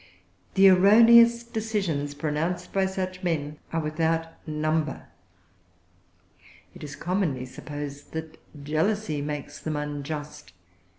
The erroneous decisions pronounced by such men are without number. It is commonly supposed that jealousy makes them unjust.